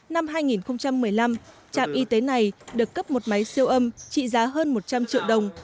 năm hai nghìn một mươi năm trạm y tế này được cấp một máy siêu âm trị giá hơn một trăm linh triệu đồng